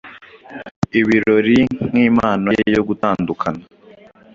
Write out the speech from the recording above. ibirori nkimpano ye yo gutandukana